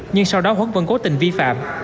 nhưng sau đó huấn vẫn cố tình vi phạm